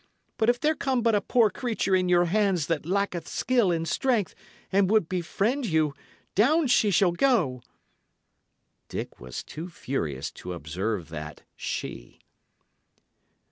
But if there come but a poor creature in your hands that lacketh skill and strength, and would befriend you, down she shall go!" Dick was too furious to observe that "she."